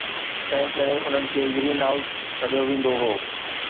تنهن ڪري انهن کي گرين هائوس سڏيو ويندو هو